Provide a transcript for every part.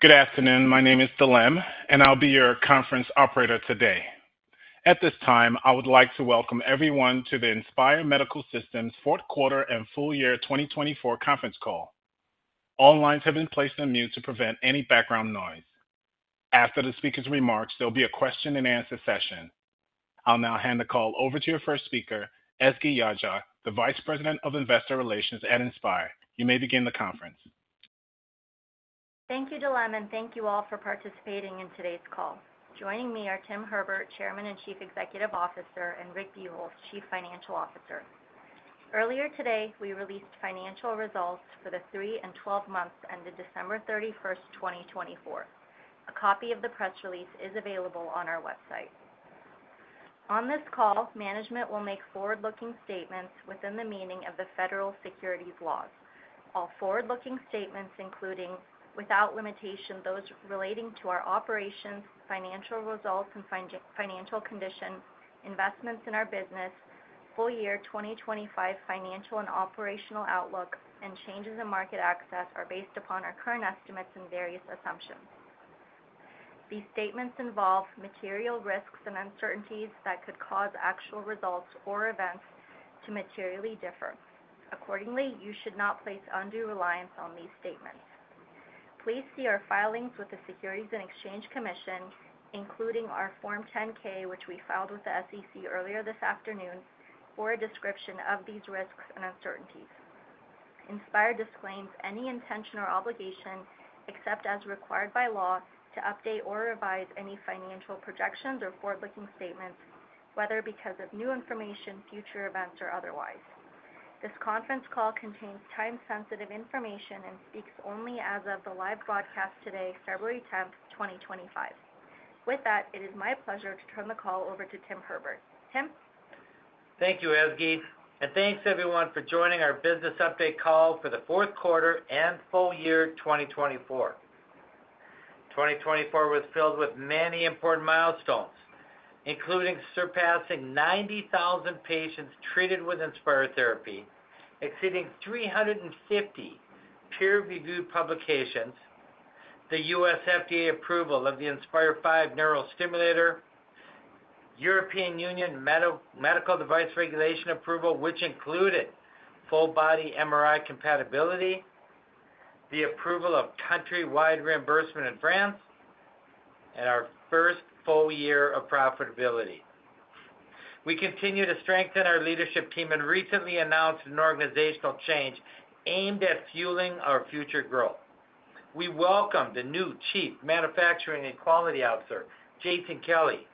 Good afternoon. My name is Dilem, and I'll Be Your Conference Operator Today. At this time, I would like to welcome everyone to the Inspire Medical Systems Q4 and Full Year 2024 Conference Call. All lines have been placed on mute to prevent any background noise. After the speakers' remarks, there'll be a question-and-answer session. I'll now hand the call over to your first speaker, Ezgi Yagci, the Vice President of Investor Relations at Inspire. You may begin the conference. Thank you, Dilem, and thank you all for participating in today's call. Joining me are Tim Herbert, Chairman and Chief Executive Officer, and Rick Buchholz, Chief Financial Officer. Earlier today, we released financial results for the three and twelve months ended December 31, 2024. A copy of the press release is available on our website. On this call, management will make forward-looking statements within the meaning of the federal securities laws. All forward-looking statements, including without limitation, those relating to our operations, financial results, and financial condition, investments in our business, full year 2025 financial and operational outlook, and changes in market access are based upon our current estimates and various assumptions. These statements involve material risks and uncertainties that could cause actual results or events to materially differ. Accordingly, you should not place undue reliance on these statements. Please see our filings with the Securities and Exchange Commission, including our Form 10-K, which we filed with the SEC earlier this afternoon, for a description of these risks and uncertainties. Inspire disclaims any intention or obligation, except as required by law, to update or revise any financial projections or forward-looking statements, whether because of new information, future events, or otherwise. This conference call contains time-sensitive information and speaks only as of the live broadcast today, February 10, 2025. With that, it is my pleasure to turn the call over to Tim Herbert. Tim? Thank you, Ezgi, and thanks, everyone, for joining our business update call for the Q4 and full year 2024. 2024 was filled with many important milestones, including surpassing 90,000 patients treated with Inspire therapy, exceeding 350 peer-reviewed publications, the U.S. FDA approval of the Inspire 5 neural stimulator, European Union medical device regulation approval, which included full-body MRI compatibility, the approval of countrywide reimbursement advance, and our first full year of profitability. We continue to strengthen our leadership team and recently announced an organizational change aimed at fueling our future growth. We welcome the new Chief Manufacturing and Quality Officer, Jason Kelly,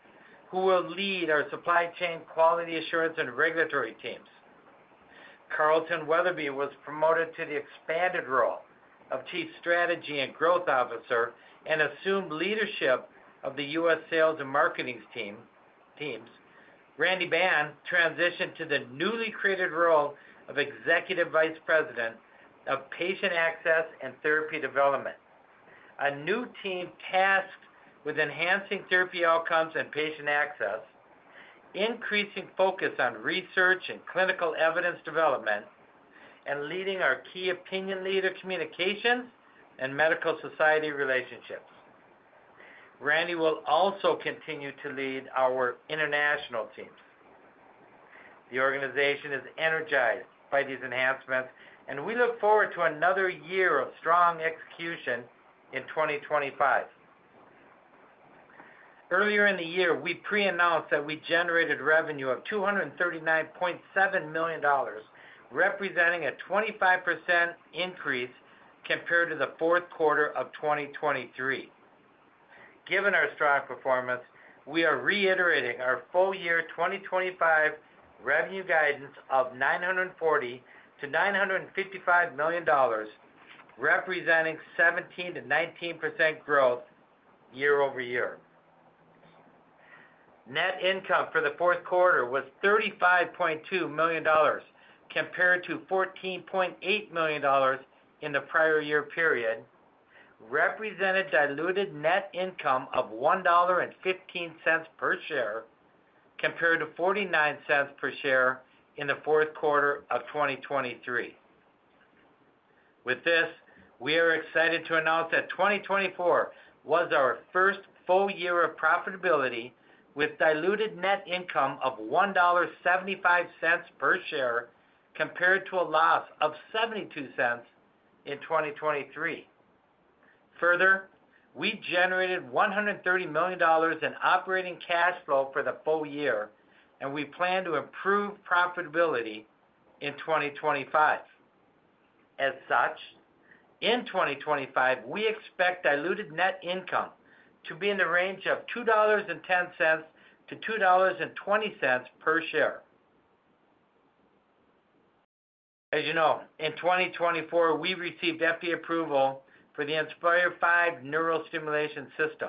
who will lead our supply chain quality assurance and regulatory teams. Carlton Weatherby was promoted to the expanded role of Chief Strategy and Growth Officer and assumed leadership of the U.S. sales and marketing teams. Randy Ban transitioned to the newly created role of Executive Vice President of Patient Access and Therapy Development, a new team tasked with enhancing therapy outcomes and patient access, increasing focus on research and clinical evidence development, and leading our key opinion leader communications and medical society relationships. Randy will also continue to lead our international teams. The organization is energized by these enhancements, and we look forward to another year of strong execution in 2025. Earlier in the year, we pre-announced that we generated revenue of $239.7 million, representing a 25% increase compared to the Q4 of 2023. Given our strong performance, we are reiterating our full year 2025 revenue guidance of $940 to 955 million, representing 17% to 19% growth year over year. Net income for the Q4 was $35.2 million compared to $14.8 million in the prior year period, representing diluted net income of $1.15 per share compared to $0.49 per share in the Q4 of 2023. With this, we are excited to announce that 2024 was our first full year of profitability with diluted net income of $1.75 per share compared to a loss of $0.72 in 2023. Further, we generated $130 million in operating cash flow for the full year, and we plan to improve profitability in 2025. As such, in 2025, we expect diluted net income to be in the range of $2.10 to 2.20 per share. As you know, in 2024, we received FDA approval for the Inspire 5 neural stimulation system.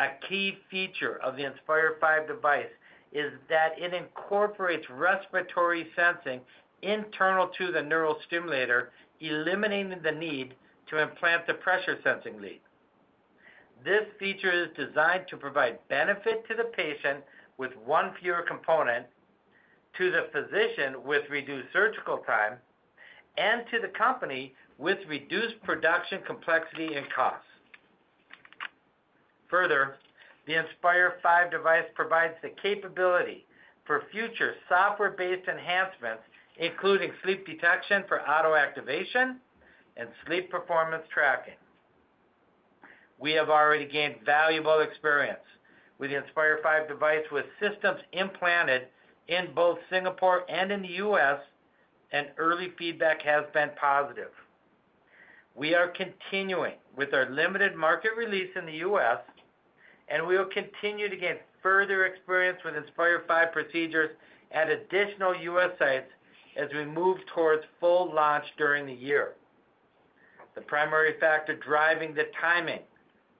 A key feature of the Inspire 5 device is that it incorporates respiratory sensing internal to the neural stimulator, eliminating the need to implant the pressure-sensing lead. This feature is designed to provide benefit to the patient with one fewer component, to the physician with reduced surgical time, and to the company with reduced production complexity and cost. Further, the Inspire 5 device provides the capability for future software-based enhancements, including sleep detection for auto activation and sleep performance tracking. We have already gained valuable experience with the Inspire 5 device with systems implanted in both Singapore and in the U.S., and early feedback has been positive. We are continuing with our limited market release in the U.S., and we will continue to gain further experience with Inspire 5 procedures at additional U.S. sites as we move towards full launch during the year. The primary factor driving the timing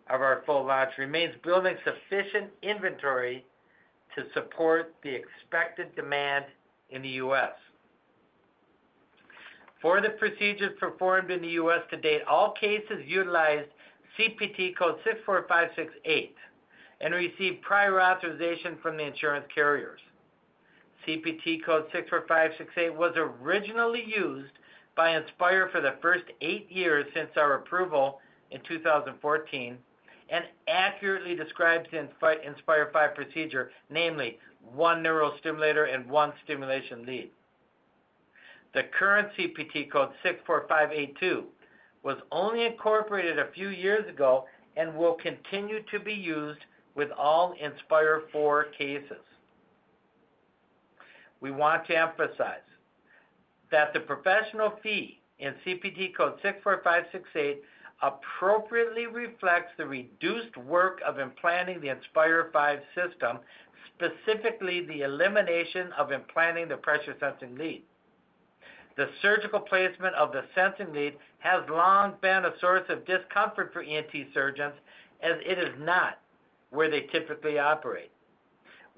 of our full launch remains building sufficient inventory to support the expected demand in the U.S. For the procedures performed in the U.S. to date, all cases utilized CPT code 64568 and received prior authorization from the insurance carriers. CPT code 64568 was originally used by Inspire for the first eight years since our approval in 2014 and accurately describes the Inspire 5 procedure, namely one neural stimulator and one stimulation lead. The current CPT code 64582 was only incorporated a few years ago and will continue to be used with all Inspire 4 cases. We want to emphasize that the professional fee in CPT code 64568 appropriately reflects the reduced work of implanting the Inspire 5 system, specifically the elimination of implanting the pressure-sensing lead. The surgical placement of the sensing lead has long been a source of discomfort for ENT surgeons, as it is not where they typically operate.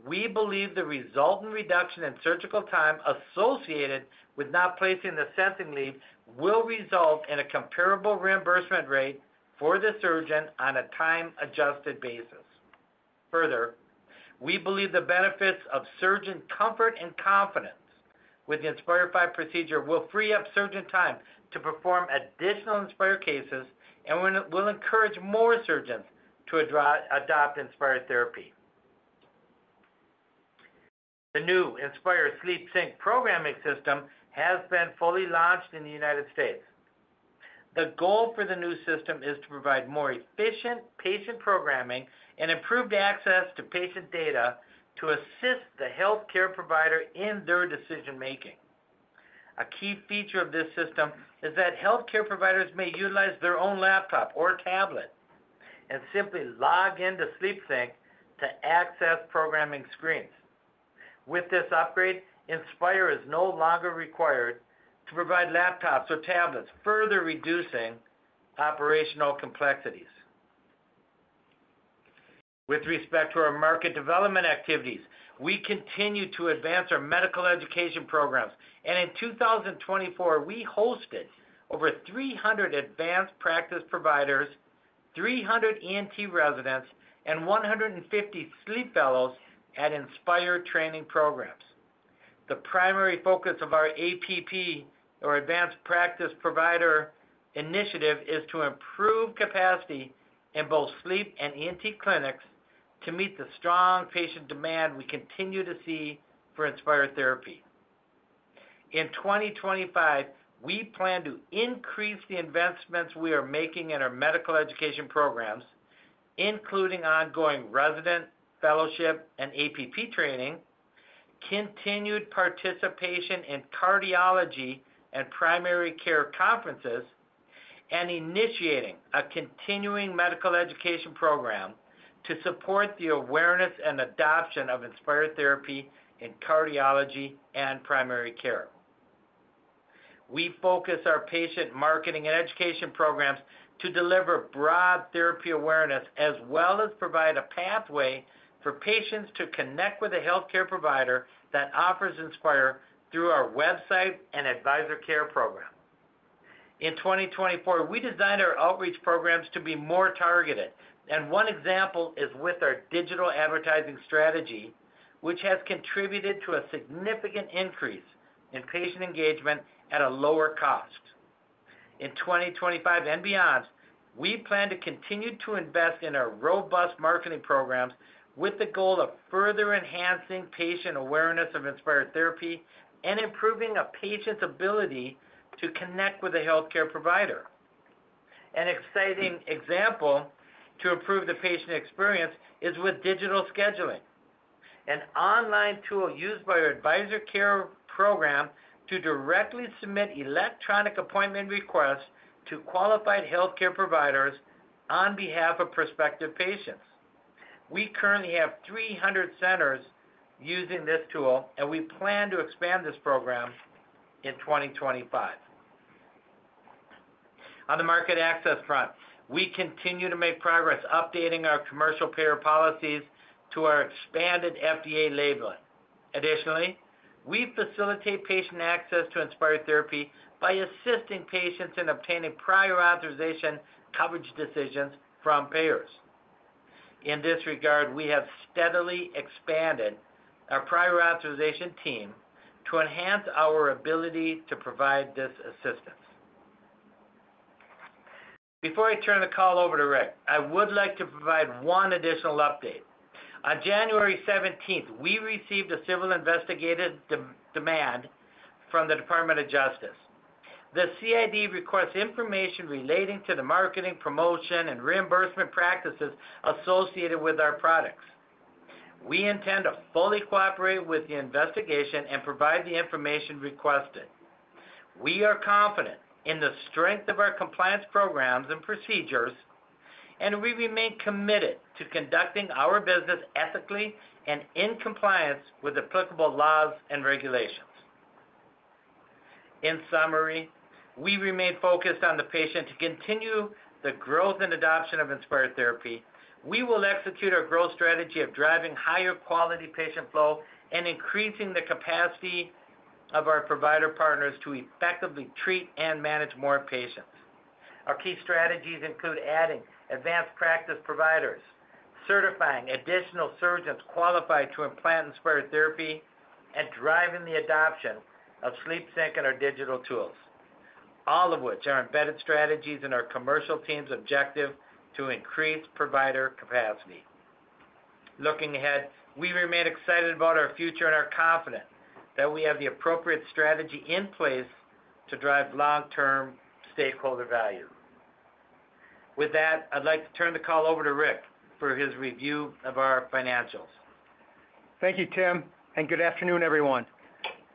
We believe the resultant reduction in surgical time associated with not placing the sensing lead will result in a comparable reimbursement rate for the surgeon on a time-adjusted basis. Further, we believe the benefits of surgeon comfort and confidence with the Inspire 5 procedure will free up surgeon time to perform additional Inspire cases and will encourage more surgeons to adopt Inspire therapy. The new Inspire SleepSync programming system has been fully launched in the United States. The goal for the new system is to provide more efficient patient programming and improved access to patient data to assist the healthcare provider in their decision-making. A key feature of this system is that healthcare providers may utilize their own laptop or tablet and simply log into SleepSync to access programming screens. With this upgrade, Inspire is no longer required to provide laptops or tablets, further reducing operational complexities. With respect to our market development activities, we continue to advance our medical education programs, and in 2024, we hosted over 300 advanced practice providers, 300 ENT residents, and 150 sleep fellows at Inspire training programs. The primary focus of our APP, or Advanced Practice Provider Initiative, is to improve capacity in both sleep and ENT clinics to meet the strong patient demand we continue to see for Inspire therapy. In 2025, we plan to increase the investments we are making in our medical education programs, including ongoing resident fellowship and APP training, continued participation in cardiology and primary care conferences, and initiating a continuing medical education program to support the awareness and adoption of Inspire therapy in cardiology and primary care. We focus our patient marketing and education programs to deliver broad therapy awareness as well as provide a pathway for patients to connect with a healthcare provider that offers Inspire through our website and Advisor Care program. In 2024, we designed our outreach programs to be more targeted, and one example is with our digital advertising strategy, which has contributed to a significant increase in patient engagement at a lower cost. In 2025 and beyond, we plan to continue to invest in our robust marketing programs with the goal of further enhancing patient awareness of Inspire therapy and improving a patient's ability to connect with a healthcare provider. An exciting example to improve the patient experience is with digital scheduling, an online tool used by our Advisor Care program to directly submit electronic appointment requests to qualified healthcare providers on behalf of prospective patients. We currently have 300 centers using this tool, and we plan to expand this program in 2025. On the market access front, we continue to make progress updating our commercial payer policies to our expanded FDA labeling. Additionally, we facilitate patient access to Inspire therapy by assisting patients in obtaining prior authorization coverage decisions from payers. In this regard, we have steadily expanded our prior authorization team to enhance our ability to provide this assistance. Before I turn the call over to Rick, I would like to provide one additional update. On January 17, we received a civil investigative demand from the Department of Justice. The CID requests information relating to the marketing, promotion, and reimbursement practices associated with our products. We intend to fully cooperate with the investigation and provide the information requested. We are confident in the strength of our compliance programs and procedures, and we remain committed to conducting our business ethically and in compliance with applicable laws and regulations. In summary, we remain focused on the patient to continue the growth and adoption of Inspire therapy. We will execute our growth strategy of driving higher quality patient flow and increasing the capacity of our provider partners to effectively treat and manage more patients. Our key strategies include adding advanced practice providers, certifying additional surgeons qualified to implant Inspire therapy, and driving the adoption of SleepSync and our digital tools, all of which are embedded strategies in our commercial team's objective to increase provider capacity. Looking ahead, we remain excited about our future and are confident that we have the appropriate strategy in place to drive long-term stakeholder value. With that, I'd like to turn the call over to Rick for his review of our financials. Thank you, Tim, and good afternoon, everyone.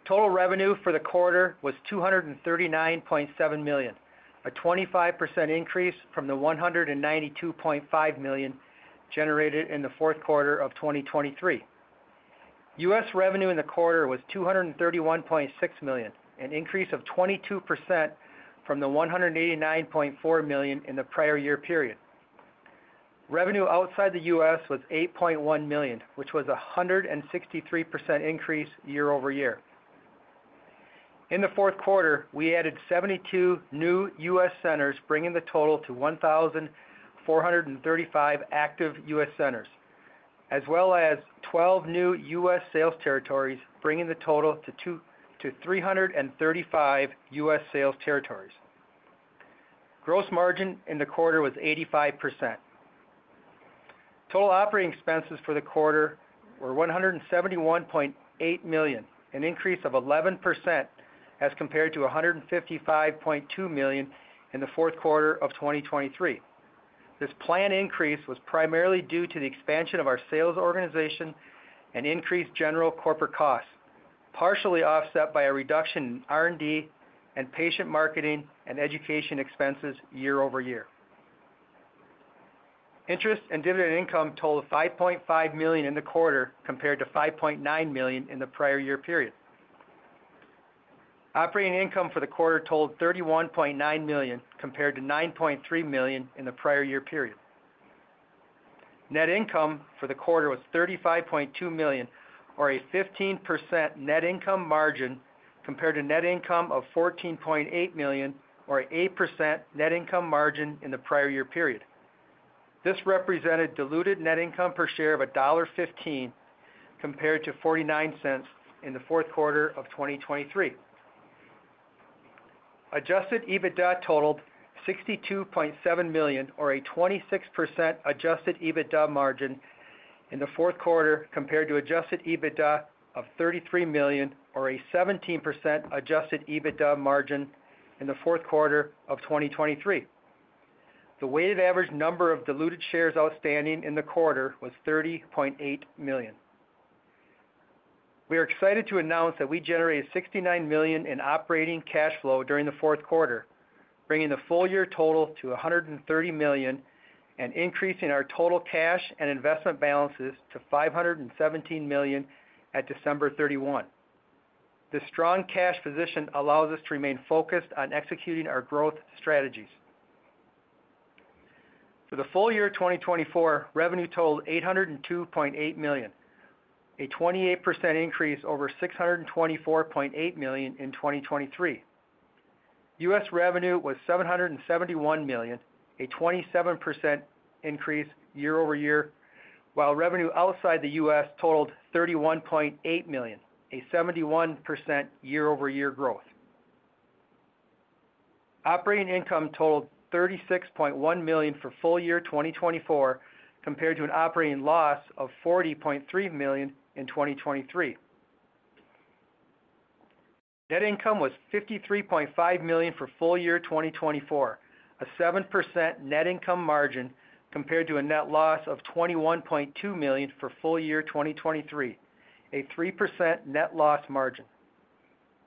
Total revenue for the quarter was $239.7 million, a 25% increase from the $192.5 million generated in the Q4 of 2023. U.S. revenue in the quarter was $231.6 million, an increase of 22% from the $189.4 million in the prior year period. Revenue outside the U.S. was $8.1 million, which was a 163% increase year over year. In the Q4, we added 72 new US centers, bringing the total to 1,435 active US centers, as well as 12 new US sales territories, bringing the total to 335 US sales territories. Gross margin in the quarter was 85%. Total operating expenses for the quarter were $171.8 million, an increase of 11% as compared to $155.2 million in the Q4 of 2023. This planned increase was primarily due to the expansion of our sales organization and increased general corporate costs, partially offset by a reduction in R&D and patient marketing and education expenses year over year. Interest and dividend income totaled $5.5 million in the quarter compared to $5.9 million in the prior year period. Operating income for the quarter totaled $31.9 million compared to $9.3 million in the prior year period. Net income for the quarter was $35.2 million, or a 15% net income margin compared to net income of $14.8 million, or an 8% net income margin in the prior year period. This represented diluted net income per share of $1.15 compared to $0.49 in the Q4 of 2023. Adjusted EBITDA totaled $62.7 million, or a 26% adjusted EBITDA margin in the Q4 compared to adjusted EBITDA of $33 million, or a 17% adjusted EBITDA margin in the Q4 of 2023. The weighted average number of diluted shares outstanding in the quarter was 30.8 million. We are excited to announce that we generated $69 million in operating cash flow during the Q4, bringing the full year total to $130 million and increasing our total cash and investment balances to $517 million at December 31. This strong cash position allows us to remain focused on executing our growth strategies. For the full year of 2024, revenue totaled $802.8 million, a 28% increase over $624.8 million in 2023. US revenue was $771 million, a 27% increase year over year, while revenue outside the US totaled $31.8 million, a 71% year-over-year growth. Operating income totaled $36.1 million for full year 2024 compared to an operating loss of $40.3 million in 2023. Net income was $53.5 million for full year 2024, a 7% net income margin compared to a net loss of $21.2 million for full year 2023, a 3% net loss margin.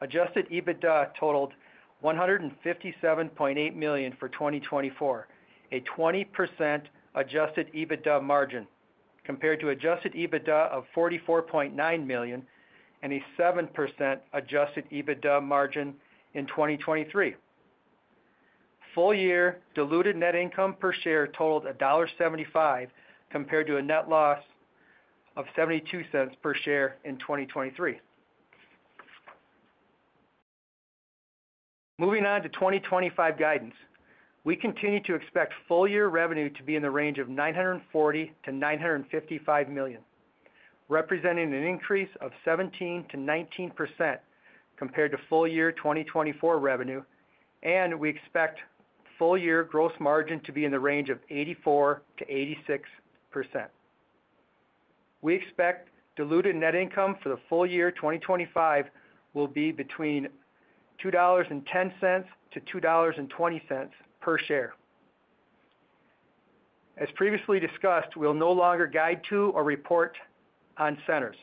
Adjusted EBITDA totaled $157.8 million for 2024, a 20% adjusted EBITDA margin compared to adjusted EBITDA of $44.9 million and a 7% adjusted EBITDA margin in 2023. Full year diluted net income per share totaled $1.75 compared to a net loss of $0.72 per share in 2023. Moving on to 2025 guidance, we continue to expect full year revenue to be in the range of $940 to 955 million, representing an increase of 17% to 19% compared to full year 2024 revenue, and we expect full year gross margin to be in the range of 84% to 86%. We expect diluted net income for the full year 2025 will be between $2.10 to 2.20 per share. As previously discussed, we'll no longer guide to or report on centers.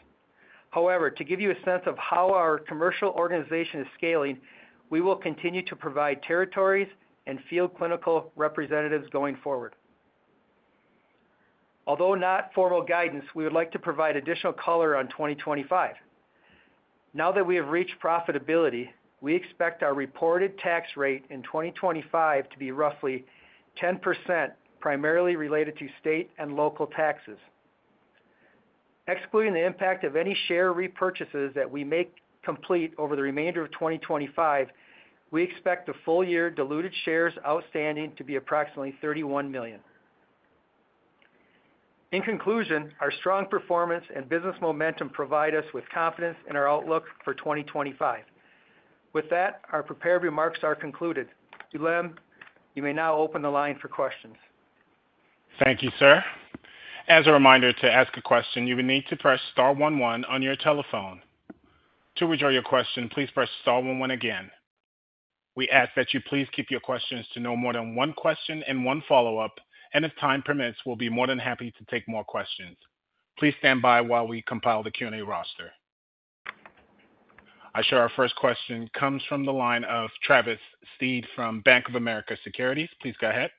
However, to give you a sense of how our commercial organization is scaling, we will continue to provide territories and field clinical representatives going forward. Although not formal guidance, we would like to provide additional color on 2025. Now that we have reached profitability, we expect our reported tax rate in 2025 to be roughly 10%, primarily related to state and local taxes. Excluding the impact of any share repurchases that we may complete over the remainder of 2025, we expect the full year diluted shares outstanding to be approximately 31 million. In conclusion, our strong performance and business momentum provide us with confidence in our outlook for 2025. With that, our prepared remarks are concluded. Dilem, you may now open the line for questions. Thank you, sir. As a reminder to ask a question, you will need to press star 11 on your telephone. To withdraw your question, please press star 11 again. We ask that you please keep your questions to no more than one question and one follow-up, and if time permits, we'll be more than happy to take more questions. Please stand by while we compile the Q&A roster. Our first question comes from the line of Travis Steed from Bank of America Securities. Please go ahead.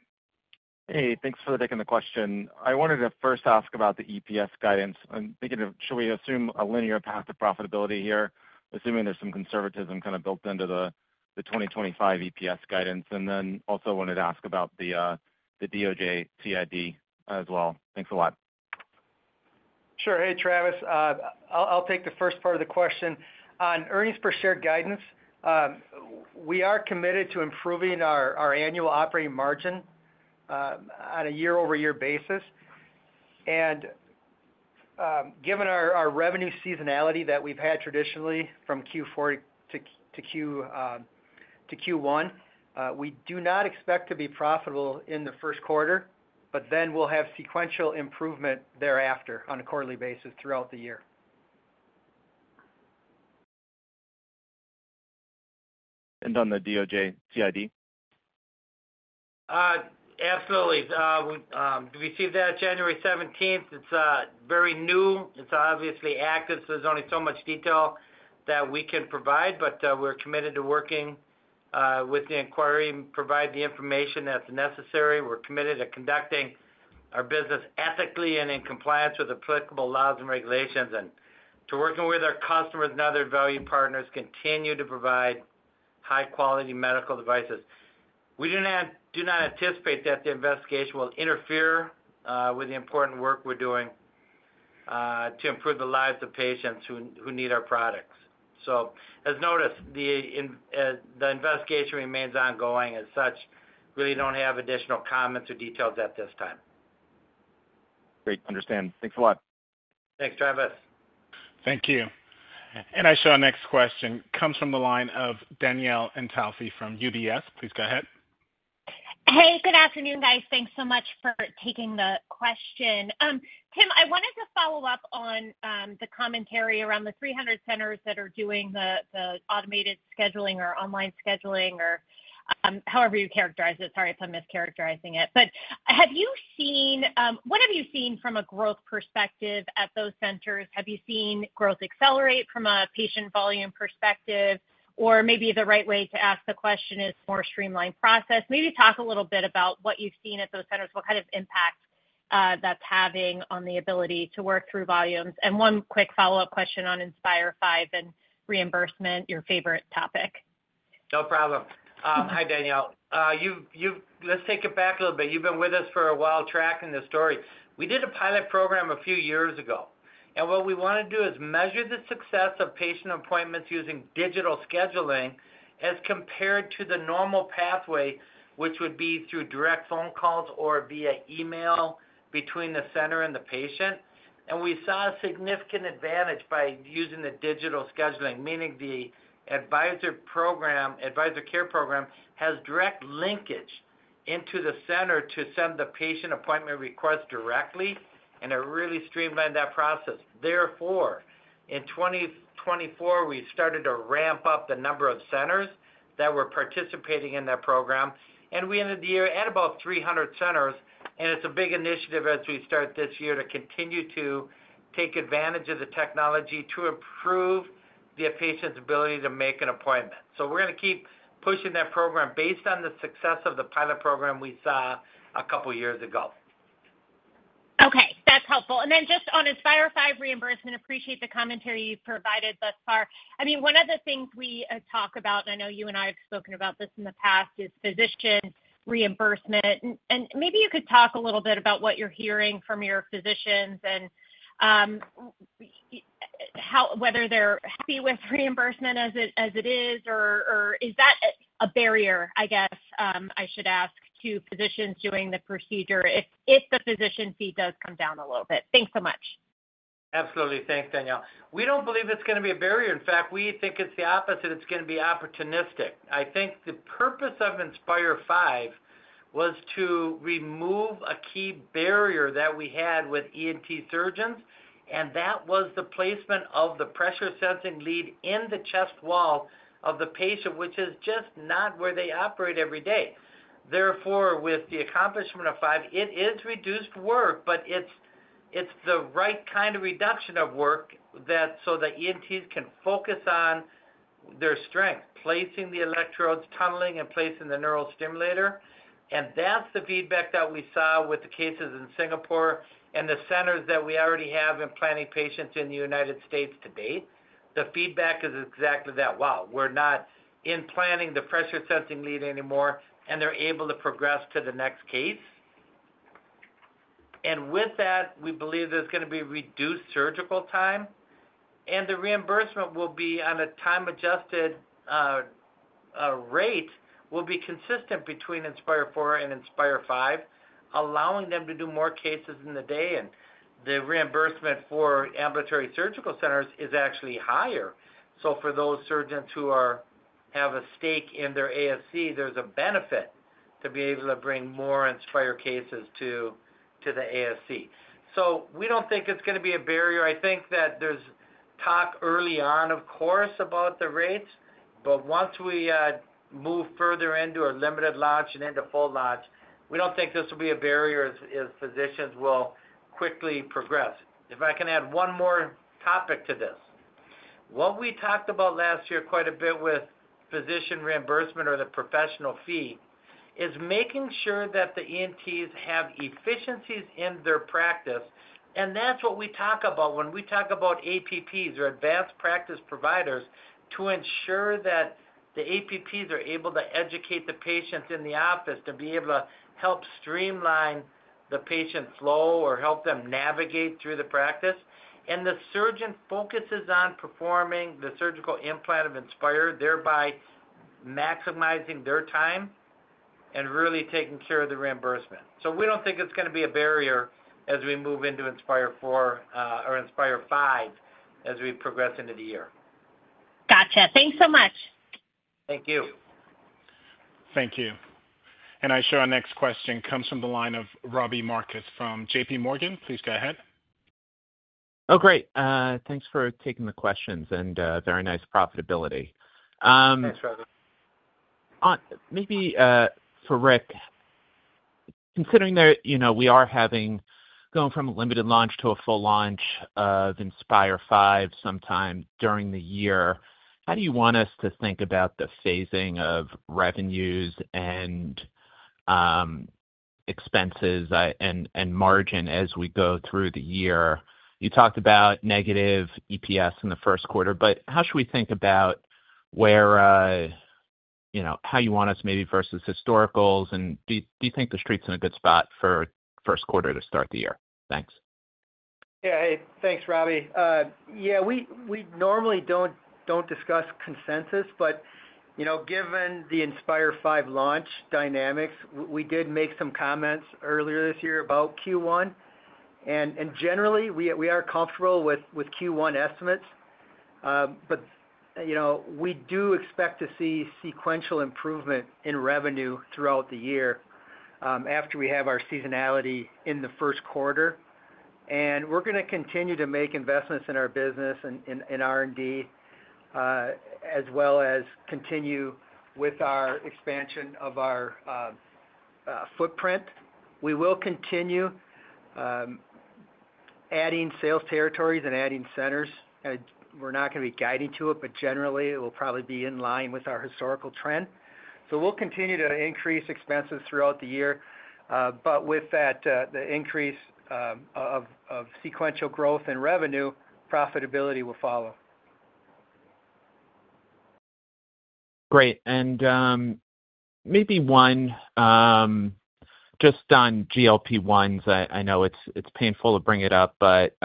Hey, thanks for taking the question. I wanted to first ask about the EPS guidance. I'm thinking of, should we assume a linear path of profitability here, assuming there's some conservatism kind of built into the 2025 EPS guidance, and then also wanted to ask about the DOJ CID as well. Thanks a lot. Sure. Hey, Travis. I'll take the first part of the question. On earnings per share guidance, we are committed to improving our annual operating margin on a year-over-year basis, and given our revenue seasonality that we've had traditionally from Q4 to Q1, we do not expect to be profitable in the Q1, but then we'll have sequential improvement thereafter on a quarterly basis throughout the year. And on the DOJ CID? Absolutely. We received that January 17. It's very new. It's obviously active, so there's only so much detail that we can provide, but we're committed to working with the inquiry and provide the information that's necessary. We're committed to conducting our business ethically and in compliance with applicable laws and regulations and to working with our customers and other valued partners, continue to provide high-quality medical devices. We do not anticipate that the investigation will interfere with the important work we're doing to improve the lives of patients who need our products. So, as noted, the investigation remains ongoing as such. Really don't have additional comments or details at this time. Great. Understand. Thanks a lot. Thanks, Travis. Thank you. And our next question comes from the line of Danielle Antalffy from UBS. Please go ahead. Hey, good afternoon, guys. Thanks so much for taking the question. Tim, I wanted to follow up on the commentary around the 300 centers that are doing the automated scheduling or online scheduling or however you characterize it. Sorry if I'm mischaracterizing it. But have you seen? What have you seen from a growth perspective at those centers? Have you seen growth accelerate from a patient volume perspective? Or maybe the right way to ask the question is more streamlined process. Maybe talk a little bit about what you've seen at those centers, what kind of impact that's having on the ability to work through volumes. And one quick follow-up question on Inspire 5 and reimbursement, your favorite topic. No problem. Hi, Danielle. Let's take it back a little bit. You've been with us for a while tracking the story. We did a pilot program a few years ago. What we want to do is measure the success of patient appointments using digital scheduling as compared to the normal pathway, which would be through direct phone calls or via email between the center and the patient. We saw a significant advantage by using the digital scheduling, meaning the Advisor Care program has direct linkage into the center to send the patient appointment request directly, and it really streamlined that process. Therefore, in 2024, we started to ramp up the number of centers that were participating in that program. We ended the year at about 300 centers. It's a big initiative as we start this year to continue to take advantage of the technology to improve the patient's ability to make an appointment. We're going to keep pushing that program based on the success of the pilot program we saw a couple of years ago. Okay. That's helpful. And then just on Inspire 5 reimbursement, appreciate the commentary you've provided thus far. I mean, one of the things we talk about, and I know you and I have spoken about this in the past, is physician reimbursement. And maybe you could talk a little bit about what you're hearing from your physicians and whether they're happy with reimbursement as it is, or is that a barrier, I guess I should ask, to physicians doing the procedure if the physician fee does come down a little bit? Thanks so much. Absolutely. Thanks, Danielle. We don't believe it's going to be a barrier. In fact, we think it's the opposite. It's going to be opportunistic. I think the purpose of Inspire 5 was to remove a key barrier that we had with ENT surgeons, and that was the placement of the pressure-sensing lead in the chest wall of the patient, which is just not where they operate every day. Therefore, with the accomplishment of five, it is reduced work, but it's the right kind of reduction of work so that ENTs can focus on their strength, placing the electrodes, tunneling, and placing the neural stimulator. And that's the feedback that we saw with the cases in Singapore and the centers that we already have implanted patients in the United States to date. The feedback is exactly that. Wow, we're not implanting the pressure-sensing lead anymore, and they're able to progress to the next case. And with that, we believe there's going to be reduced surgical time, and the reimbursement will be on a time-adjusted rate, will be consistent between Inspire 4 and Inspire 5, allowing them to do more cases in the day. And the reimbursement for ambulatory surgical centers is actually higher. So for those surgeons who have a stake in their ASC, there's a benefit to be able to bring more Inspire cases to the ASC. So we don't think it's going to be a barrier. I think that there's talk early on, of course, about the rates, but once we move further into a limited launch and into full launch, we don't think this will be a barrier as physicians will quickly progress. If I can add one more topic to this. What we talked about last year quite a bit with physician reimbursement or the professional fee is making sure that the ENTs have efficiencies in their practice. And that's what we talk about when we talk about APPs or advanced practice providers to ensure that the APPs are able to educate the patients in the office to be able to help streamline the patient flow or help them navigate through the practice. And the surgeon focuses on performing the surgical implant of Inspire, thereby maximizing their time and really taking care of the reimbursement. So we don't think it's going to be a barrier as we move into Inspire 4 or Inspire 5 as we progress into the year. Gotcha. Thanks so much. Thank you. Thank you. And our next question comes from the line of Robbie Marcus from J.P. Morgan. Please go ahead. Oh, great. Thanks for taking the questions and very nice profitability. Thanks, Travis. Maybe for Rick, considering that we are going from a limited launch to a full launch of Inspire 5 sometime during the year, how do you want us to think about the phasing of revenues and expenses and margin as we go through the year? You talked about negative EPS in the Q1, but how should we think about how you want us maybe versus historicals? And do you think the street's in a good spot for Q1 to start the year? Thanks. Yeah. Hey, thanks, Robbie. Yeah, we normally don't discuss consensus, but given the Inspire 5 launch dynamics, we did make some comments earlier this year about Q1. And generally, we are comfortable with Q1 estimates, but we do expect to see sequential improvement in revenue throughout the year after we have our seasonality in the Q1. And we're going to continue to make investments in our business and R&D as well as continue with our expansion of our footprint. We will continue adding sales territories and adding centers. We're not going to be guiding to it, but generally, it will probably be in line with our historical trend. So we'll continue to increase expenses throughout the year. But with that, the increase of sequential growth and revenue, profitability will follow. Great. And maybe one just on GLP-1s. I know it's painful to bring it up, but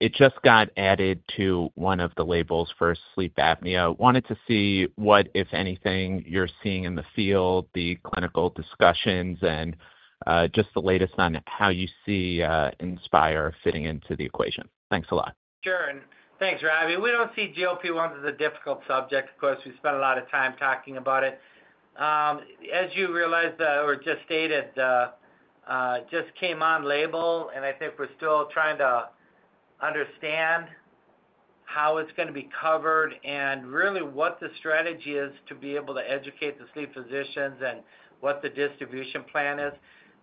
it just got added to one of the labels for sleep apnea. Wanted to see what, if anything, you're seeing in the field, the clinical discussions, and just the latest on how you see Inspire fitting into the equation. Thanks a lot. Sure. And thanks, Robbie. We don't see GLP-1s as a difficult subject. Of course, we spent a lot of time talking about it. As you realized or just stated, just came on label, and I think we're still trying to understand how it's going to be covered and really what the strategy is to be able to educate the sleep physicians and what the distribution plan is.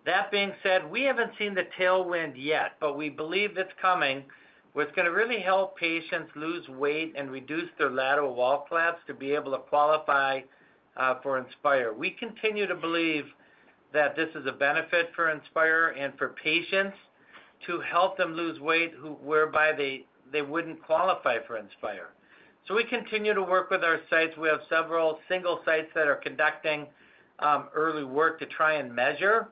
That being said, we haven't seen the tailwind yet, but we believe it's coming, which is going to really help patients lose weight and reduce their lateral wall collapse to be able to qualify for Inspire. We continue to believe that this is a benefit for Inspire and for patients to help them lose weight whereby they wouldn't qualify for Inspire. So we continue to work with our sites. We have several single sites that are conducting early work to try and measure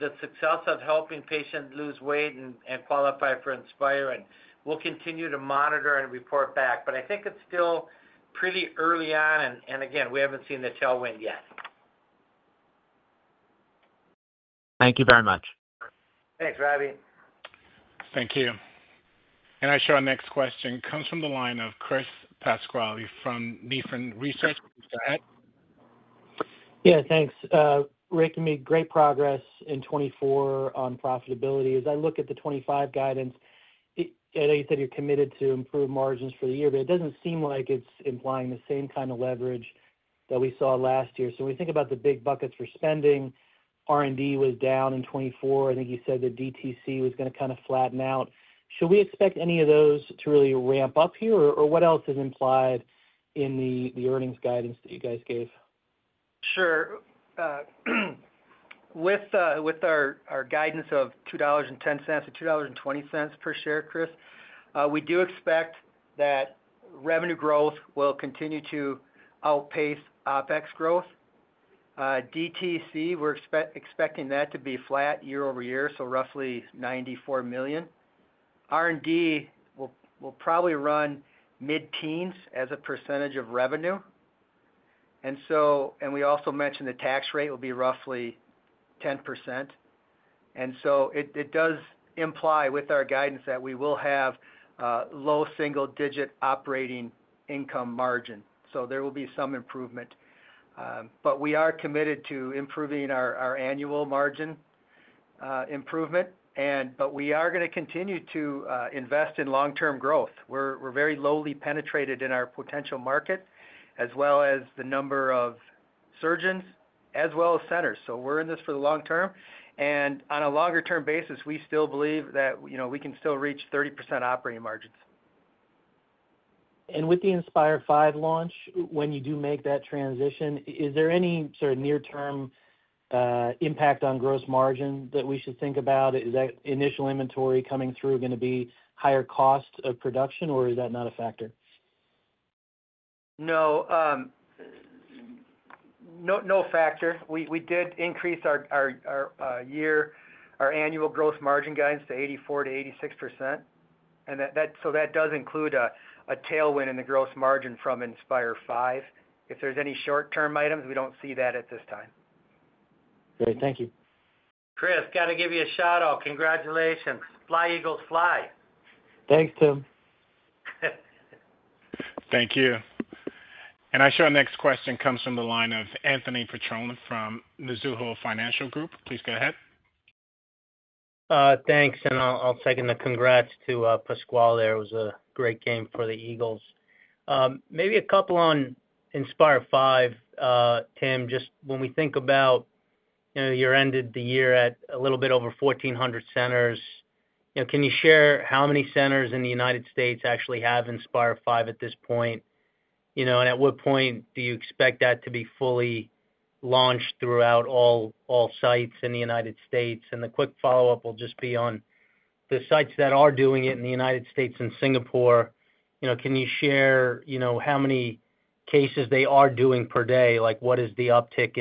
the success of helping patients lose weight and qualify for Inspire. And we'll continue to monitor and report back. But I think it's still pretty early on, and again, we haven't seen the tailwind yet. Thank you very much. Thanks, Robbie. Thank you. And I share our next question. Comes from the line of Chris Pasquale from Nephron Research. Go ahead. Yeah. Thanks. Rick, you made great progress in 2024 on profitability. As I look at the 2025 guidance, I know you said you're committed to improve margins for the year, but it doesn't seem like it's implying the same kind of leverage that we saw last year. So when we think about the big buckets for spending, R&D was down in 2024. I think you said the DTC was going to kind of flatten out. Should we expect any of those to really ramp up here, or what else is implied in the earnings guidance that you guys gave? Sure. With our guidance of $2.10 to 2.20 per share, Chris, we do expect that revenue growth will continue to outpace OpEx growth. DTC, we're expecting that to be flat year over year, so roughly $94 million. R&D will probably run mid-teens as a percentage of revenue. And we also mentioned the tax rate will be roughly 10%. And so it does imply with our guidance that we will have low single-digit operating income margin. So there will be some improvement. But we are committed to improving our annual margin improvement. But we are going to continue to invest in long-term growth. We're very lowly penetrated in our potential market as well as the number of surgeons as well as centers. So we're in this for the long term. And on a longer-term basis, we still believe that we can still reach 30% operating margins. And with the Inspire 5 launch, when you do make that transition, is there any sort of near-term impact on gross margin that we should think about? Is that initial inventory coming through going to be higher cost of production, or is that not a factor? No. No factor. We did increase our annual gross margin guidance to 84% to 86%. And so that does include a tailwind in the gross margin from Inspire 5. If there's any short-term items, we don't see that at this time. Great. Thank you. Chris, got to give you a shout-out. Congratulations. Fly eagles fly. Thanks, Tim. Thank you. And our next question comes from the line of Anthony Petrone from Mizuho Financial Group. Please go ahead. Thanks. And I'll second the congrats to Pasquale there. It was a great game for the Eagles. Maybe a couple on Inspire 5, Tim. Just when we think about you're ending the year at a little bit over 1,400 centers, can you share how many centers in the United States actually have Inspire 5 at this point? And at what point do you expect that to be fully launched throughout all sites in the United States? And the quick follow-up will just be on the sites that are doing it in the United States and Singapore. Can you share how many cases they are doing per day? What is the uptick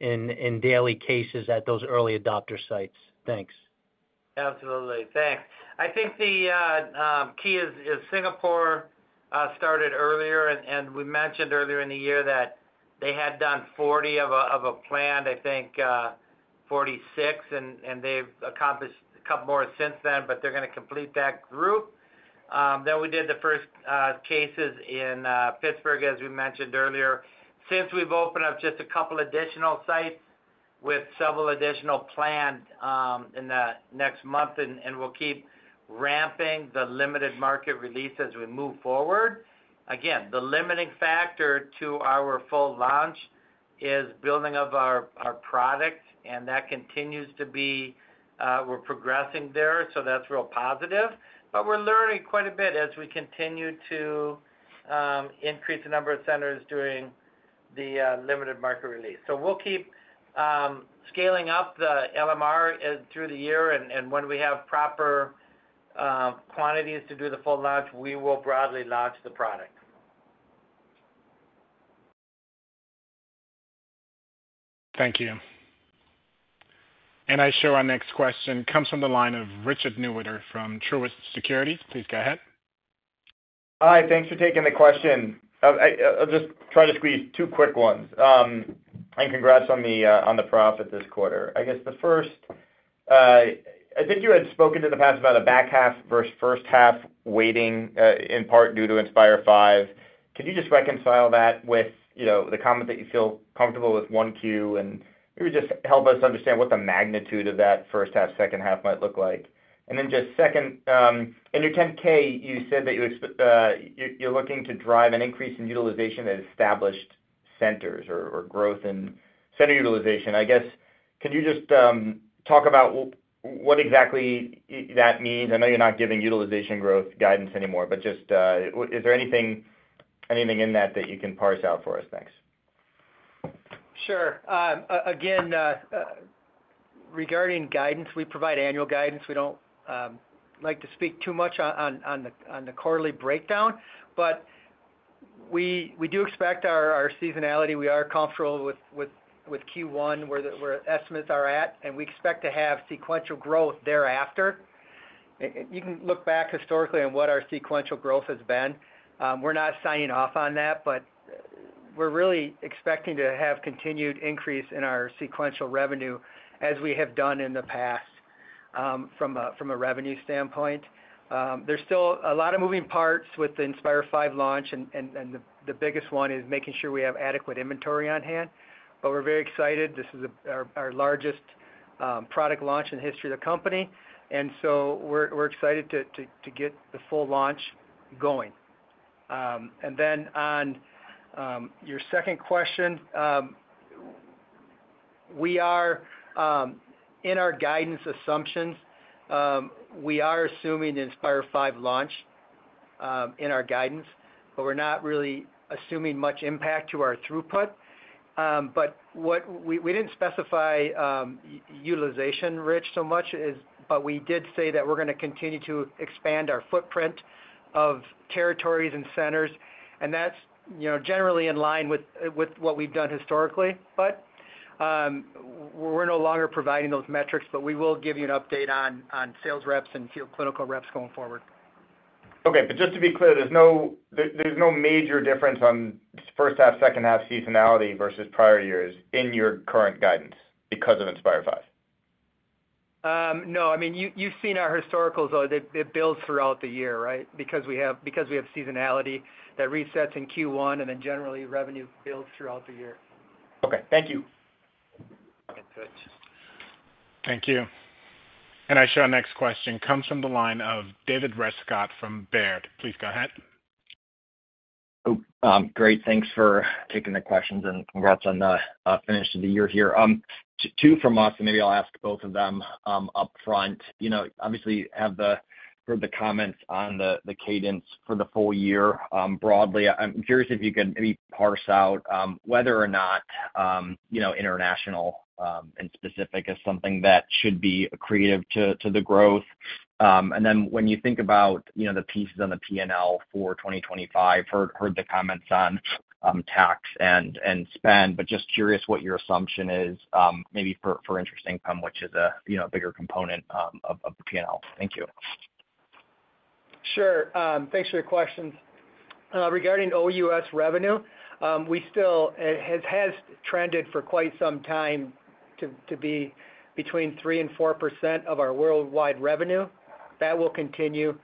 in daily cases at those early adopter sites? Thanks. Absolutely. Thanks. I think the key is Singapore started earlier. And we mentioned earlier in the year that they had done 40 of a planned, I think 46, and they've accomplished a couple more since then, but they're going to complete that group. Then we did the first cases in Pittsburgh, as we mentioned earlier. Since we've opened up just a couple of additional sites with several additional planned in the next month, and we'll keep ramping the limited market release as we move forward. Again, the limiting factor to our full launch is building of our product, and that continues to be we're progressing there, so that's real positive. But we're learning quite a bit as we continue to increase the number of centers during the limited market release. So we'll keep scaling up the LMR through the year, and when we have proper quantities to do the full launch, we will broadly launch the product. Thank you. And our next question comes from the line of Richard Newitter from Truist Securities. Please go ahead. Hi. Thanks for taking the question. I'll just try to squeeze two quick ones. And congrats on the profit this quarter. I guess the first, I think you had spoken in the past about a back half versus first half weighting in part due to Inspire 5. Can you just reconcile that with the comment that you feel comfortable with Q1 and maybe just help us understand what the magnitude of that first half, second half might look like? And then just second, in your 10-K, you said that you're looking to drive an increase in utilization at established centers or growth in center utilization. I guess can you just talk about what exactly that means? I know you're not giving utilization growth guidance anymore, but just is there anything in that that you can parse out for us? Thanks. Sure. Again, regarding guidance, we provide annual guidance. We don't like to speak too much on the quarterly breakdown, but we do expect our seasonality. We are comfortable with Q1 where estimates are at, and we expect to have sequential growth thereafter. You can look back historically on what our sequential growth has been. We're not signing off on that, but we're really expecting to have continued increase in our sequential revenue as we have done in the past from a revenue standpoint. There's still a lot of moving parts with the Inspire 5 launch, and the biggest one is making sure we have adequate inventory on hand, but we're very excited. This is our largest product launch in the history of the company, and so we're excited to get the full launch going, and then on your second question, in our guidance assumptions, we are assuming the Inspire 5 launch in our guidance, but we're not really assuming much impact to our throughput, but we didn't specify utilization, Rich, so much, but we did say that we're going to continue to expand our footprint of territories and centers, and that's generally in line with what we've done historically. But we're no longer providing those metrics, but we will give you an update on sales reps and field clinical reps going forward. Okay. But just to be clear, there's no major difference on first half, second half seasonality versus prior years in your current guidance because of Inspire 5? No. I mean, you've seen our historicals, though. It builds throughout the year, right? Because we have seasonality that resets in Q1, and then generally, revenue builds throughout the year. Okay. Thank you. Thank you. And our next question comes from the line of David Rescott from Baird. Please go ahead. Great. Thanks for taking the questions, and congrats on finishing the year here. Two from us, and maybe I'll ask both of them upfront. Obviously, I have heard the comments on the cadence for the full year broadly. I'm curious if you could maybe parse out whether or not international expansion is something that should be credited to the growth. And then when you think about the pieces on the P&L for 2025, heard the comments on capex and opex, but just curious what your assumption is maybe for interest income, which is a bigger component of the P&L. Thank you. Sure. Thanks for your questions. Regarding OUS revenue, it has trended for quite some time to be between 3% to 4% of our worldwide revenue. That will continue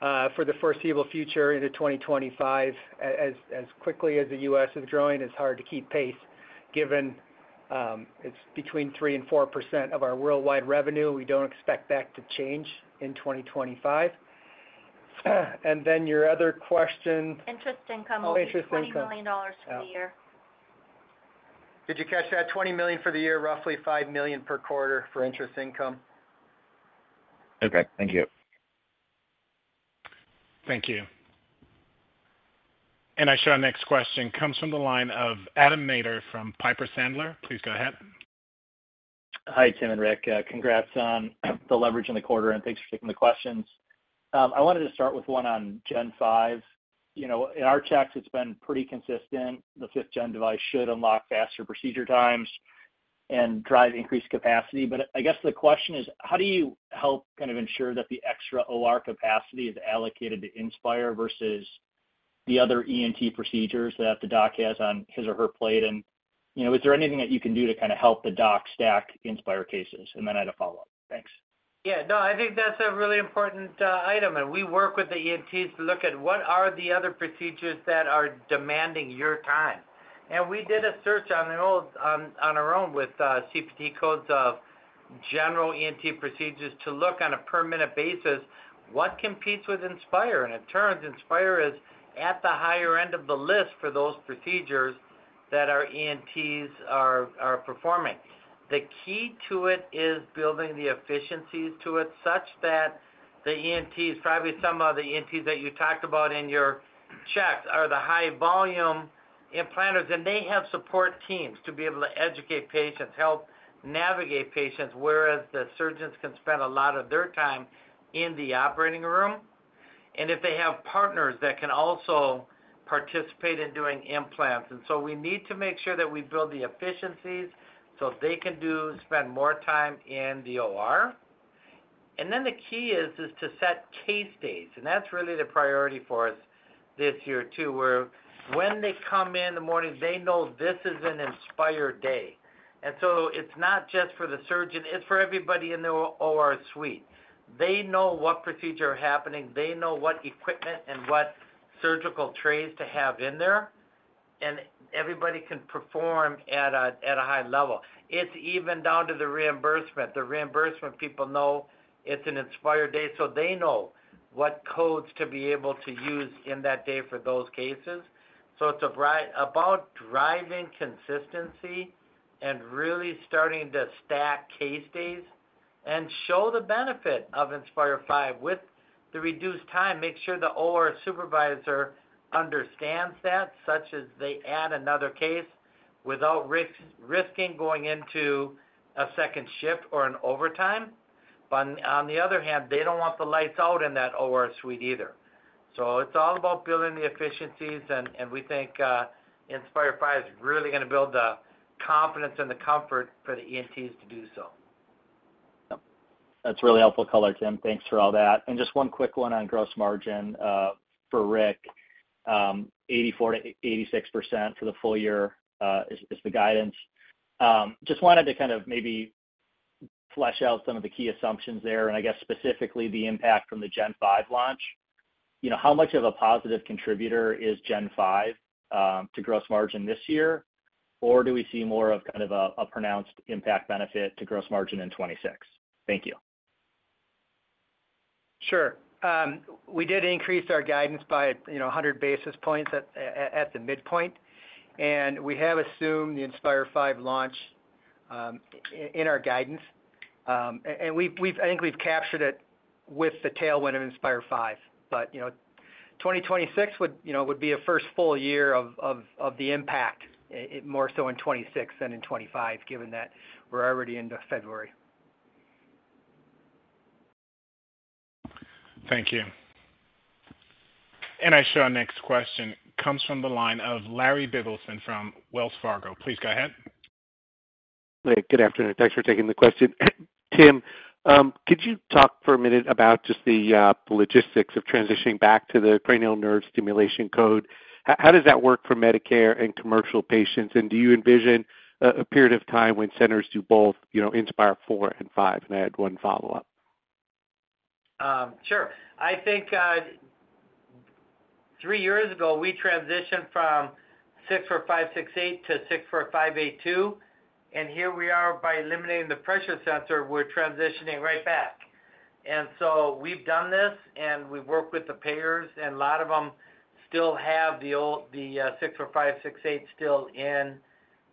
for the foreseeable future into 2025. As quickly as the U.S. is growing, it's hard to keep pace given it's between 3% to 4% of our worldwide revenue. We don't expect that to change in 2025. And then your other question. Interest income over $20 million for the year. Did you catch that? $20 million for the year, roughly $5 million per quarter for interest income. Okay. Thank you. Thank you. And I share our next question. Comes from the line of Adam Maeder from Piper Sandler. Please go ahead. Hi, Tim and Rick. Congrats on the leverage in the quarter, and thanks for taking the questions. I wanted to start with one on Gen 5. In our checks, it's been pretty consistent. The fifth-gen device should unlock faster procedure times and drive increased capacity. But I guess the question is, how do you help kind of ensure that the extra OR capacity is allocated to Inspire versus the other ENT procedures that the doc has on his or her plate? And is there anything that you can do to kind of help the doc stack Inspire cases? And then I had a follow-up. Thanks. Yeah. No, I think that's a really important item, and we work with the ENTs to look at what are the other procedures that are demanding your time. And we did a search on our own with CPT codes of general ENT procedures to look on a per minute basis what competes with Inspire, and it turns out Inspire is at the higher end of the list for those procedures that our ENTs are performing. The key to it is building the efficiencies to it such that the ENTs, probably some of the ENTs that you talked about in your checks, are the high-volume implanters, and they have support teams to be able to educate patients, help navigate patients, whereas the surgeons can spend a lot of their time in the operating room, and if they have partners that can also participate in doing implants. We need to make sure that we build the efficiencies so they can spend more time in the OR. Then the key is to set case days. That's really the priority for us this year too, where when they come in the morning, they know this is an Inspire day. It's not just for the surgeon. It's for everybody in the OR suite. They know what procedures are happening. They know what equipment and what surgical trays to have in there. Everybody can perform at a high level. It's even down to the reimbursement. The reimbursement, people know it's an Inspire day, so they know what codes to be able to use in that day for those cases. It's about driving consistency and really starting to stack case days and show the benefit of Inspire 5 with the reduced time. Make sure the OR supervisor understands that, so that they add another case without risking going into a second shift or overtime. But on the other hand, they don't want the lights out in that OR suite either. It's all about building the efficiencies. We think Inspire 5 is really going to build the confidence and the comfort for the ENTs to do so. That's really helpful color, Tim. Thanks for all that. Just one quick one on gross margin for Rick, 84% to 86% for the full year is the guidance. Just wanted to kind of maybe flesh out some of the key assumptions there. I guess specifically the impact from the Gen 5 launch. How much of a positive contributor is Gen 5 to gross margin this year? Or do we see more of kind of a pronounced impact benefit to gross margin in 2026? Thank you. Sure. We did increase our guidance by 100 basis points at the midpoint. And we have assumed the Inspire 5 launch in our guidance. And I think we've captured it with the tailwind of Inspire 5. But 2026 would be a first full year of the impact, more so in 2026 than in 2025, given that we're already into February. Thank you. And I share our next question. It comes from the line of Larry Biegelsen from Wells Fargo. Please go ahead. Good afternoon. Thanks for taking the question. Tim, could you talk for a minute about just the logistics of transitioning back to the cranial nerve stimulation code? How does that work for Medicare and commercial patients? And do you envision a period of time when centers do both Inspire 4 and 5? And I had one follow-up. Sure. I think three years ago, we transitioned from 64568 to 64582. And here we are, by eliminating the pressure sensor, we're transitioning right back. And so we've done this, and we've worked with the payers. And a lot of them still have the 64568 still in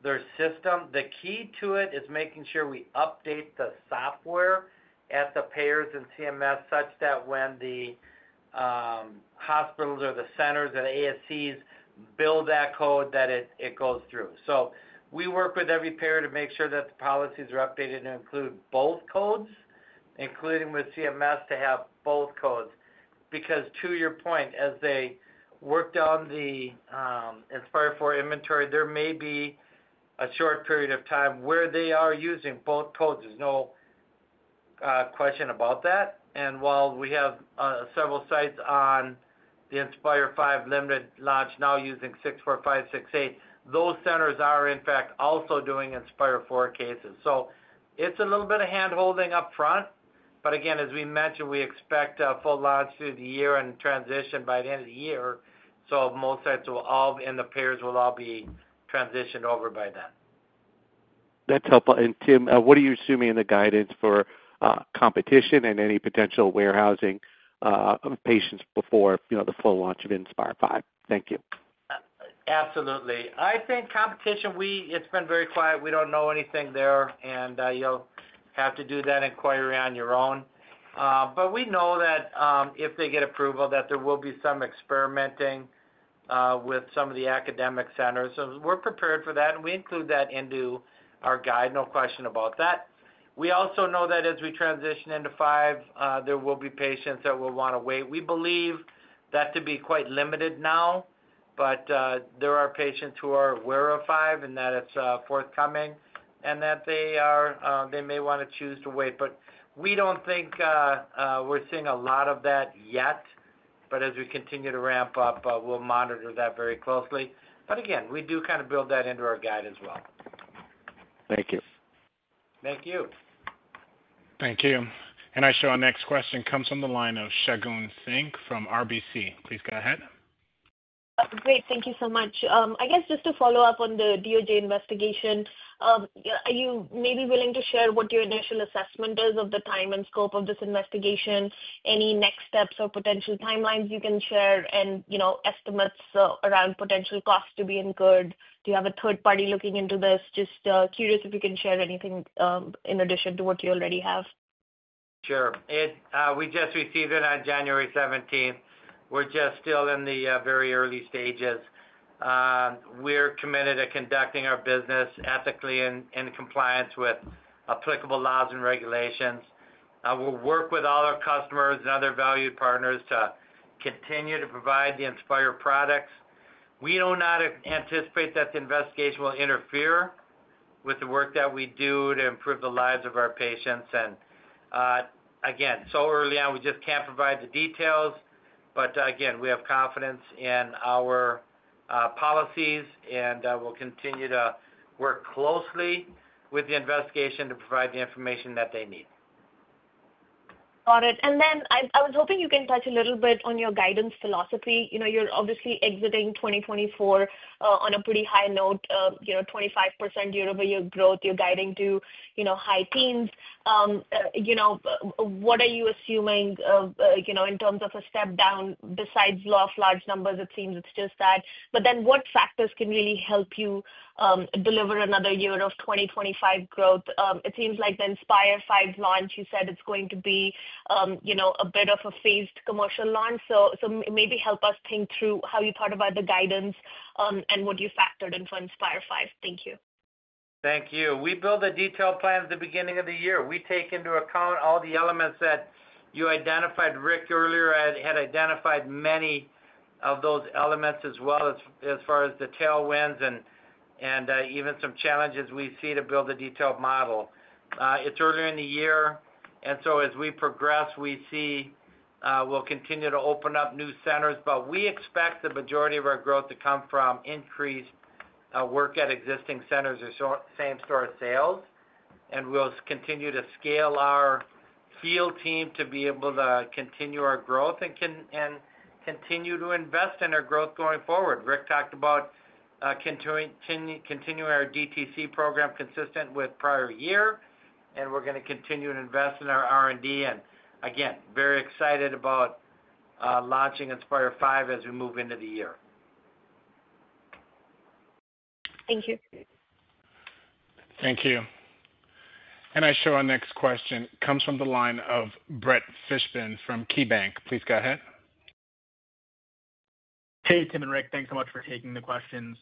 their system. The key to it is making sure we update the software at the payers and CMS such that when the hospitals or the centers or the ASCs bill that code, that it goes through. So we work with every payer to make sure that the policies are updated to include both codes, including with CMS to have both codes. Because to your point, as they work down the Inspire 4 inventory, there may be a short period of time where they are using both codes. There's no question about that. And while we have several sites on the Inspire 5 limited launch now using 64568, those centers are, in fact, also doing Inspire 4 cases. So it's a little bit of handholding upfront. But again, as we mentioned, we expect full launch through the year and transition by the end of the year. So most sites will all, and the payers will all be transitioned over by then. That's helpful. And Tim, what are you assuming in the guidance for competition and any potential warehousing of patients before the full launch of Inspire 5?Thank you. Absolutely. I think competition, it's been very quiet. We don't know anything there. And you'll have to do that inquiry on your own. But we know that if they get approval, that there will be some experimenting with some of the academic centers. So we're prepared for that. And we include that into our guide. No question about that. We also know that as we transition into 5, there will be patients that will want to wait. We believe that to be quite limited now. But there are patients who are aware of 5 and that it's forthcoming and that they may want to choose to wait. But we don't think we're seeing a lot of that yet. But as we continue to ramp up, we'll monitor that very closely. But again, we do kind of build that into our guide as well. Thank you. Thank you. Thank you. And our next question comes from the line of Shagun Singh from RBC. Please go ahead. Great. Thank you so much. I guess just to follow up on the DOJ investigation, are you maybe willing to share what your initial assessment is of the time and scope of this investigation? Any next steps or potential timelines you can share and estimates around potential costs to be incurred? Do you have a third party looking into this? Just curious if you can share anything in addition to what you already have. Sure. We just received it on January 17th. We're just still in the very early stages. We're committed to conducting our business ethically in compliance with applicable laws and regulations. We'll work with all our customers and other valued partners to continue to provide the Inspire products. We do not anticipate that the investigation will interfere with the work that we do to improve the lives of our patients. And again, so early on, we just can't provide the details. But again, we have confidence in our policies, and we'll continue to work closely with the investigation to provide the information that they need. Got it. And then I was hoping you can touch a little bit on your guidance philosophy. You're obviously exiting 2024 on a pretty high note, 25% year-over-year growth. You're guiding to high teens. What are you assuming in terms of a step down besides loss large numbers? It seems it's just that. But then what factors can really help you deliver another year of 2025 growth? It seems like the Inspire 5 launch, you said it's going to be a bit of a phased commercial launch. So maybe help us think through how you thought about the guidance and what you factored in for Inspire 5. Thank you. Thank you. We build a detailed plan at the beginning of the year. We take into account all the elements that you identified. Rick earlier had identified many of those elements as well as far as the tailwinds and even some challenges we see to build a detailed model. It's earlier in the year. And so as we progress, we'll continue to open up new centers. But we expect the majority of our growth to come from increased work at existing centers or same-store sales. And we'll continue to scale our field team to be able to continue our growth and continue to invest in our growth going forward. Rick talked about continuing our DTC program consistent with prior year. And we're going to continue to invest in our R&D. And again, very excited about launching Inspire 5 as we move into the year. Thank you. Thank you. And I share our next question. Comes from the line of Brett Fishman from KeyBank. Please go ahead. Hey, Tim and Rick. Thanks so much for taking the questions.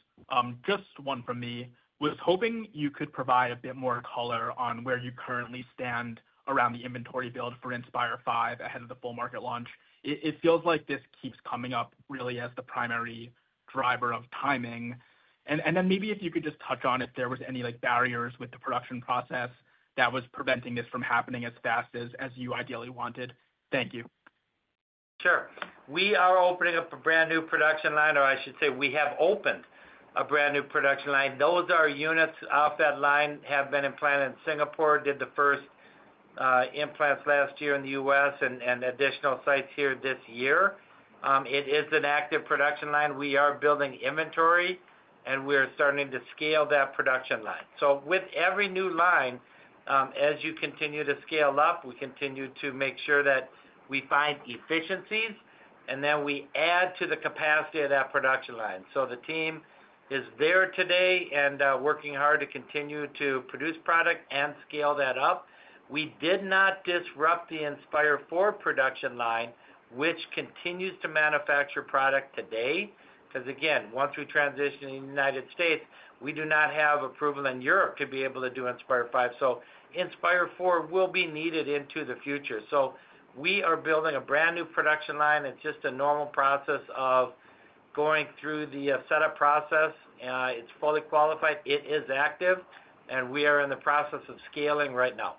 Just one from me. I was hoping you could provide a bit more color on where you currently stand around the inventory build for Inspire 5 ahead of the full market launch. It feels like this keeps coming up really as the primary driver of timing. And then maybe if you could just touch on if there were any barriers with the production process that was preventing this from happening as fast as you ideally wanted. Thank you. Sure. We are opening up a brand new production line, or I should say we have opened a brand new production line. Those are units off that line have been implanted in Singapore, did the first implants last year in the US, and additional sites here this year. It is an active production line. We are building inventory, and we are starting to scale that production line. So with every new line, as you continue to scale up, we continue to make sure that we find efficiencies, and then we add to the capacity of that production line. So the team is there today and working hard to continue to produce product and scale that up. We did not disrupt the Inspire 4 production line, which continues to manufacture product today. Because again, once we transition in the United States, we do not have approval in Europe to be able to do Inspire 5. So Inspire 4 will be needed into the future. So we are building a brand new production line. It's just a normal process of going through the setup process. It's fully qualified. It is active. And we are in the process of scaling right now.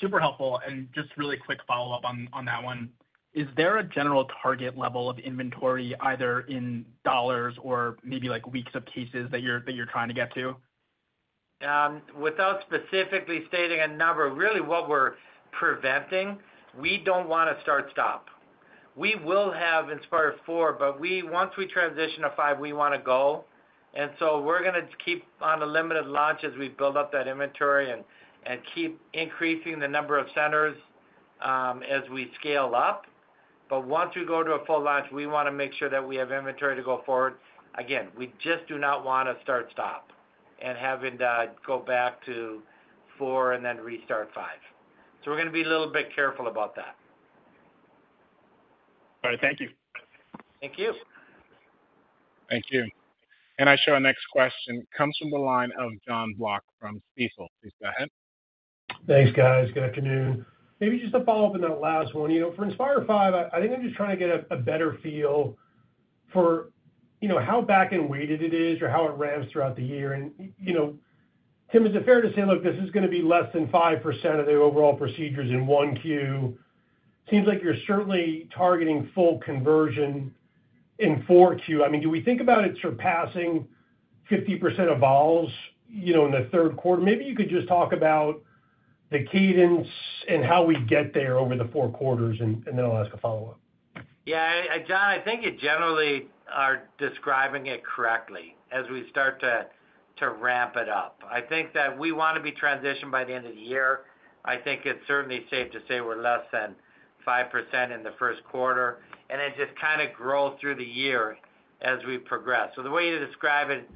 Super helpful. And just really quick follow-up on that one. Is there a general target level of inventory, either in dollars or maybe weeks of cases that you're trying to get to? Without specifically stating a number, really what we're preventing, we don't want to start-stop. We will have Inspire 4, but once we transition to 5, we want to go. And so we're going to keep on a limited launch as we build up that inventory and keep increasing the number of centers as we scale up. But once we go to a full launch, we want to make sure that we have inventory to go forward. Again, we just do not want to start-stop and have it go back to 4 and then restart 5. So we're going to be a little bit careful about that. All right. Thank you. Thank you. Thank you. And I'll share our next question. It comes from the line of Jon Block from Stifel. Please go ahead. Thanks, guys. Good afternoon. Maybe just a follow-up on that last one. For Inspire 5, I think I'm just trying to get a better feel for how back-end weighted it is or how it ramps throughout the year. And Tim, is it fair to say, look, this is going to be less than 5% of the overall procedures in Q1. Seems like you're certainly targeting full conversion in Q4. I mean, do we think about it surpassing 50% of volumes in the Q3? Maybe you could just talk about the cadence and how we get there over the four quarters, and then I'll ask a follow-up. Yeah. Jon, I think you generally are describing it correctly as we start to ramp it up. I think that we want to be transitioned by the end of the year. I think it's certainly safe to say we're less than 5% in the Q1, and then just kind of grow through the year as we progress, so the way you describe it,